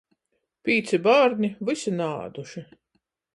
Pīci bārni, vysi naāduši.